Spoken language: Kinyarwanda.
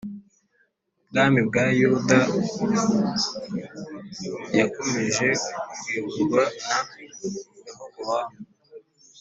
ubwami bwa Yuda yakomeje kuyoborwa na Rehobowamu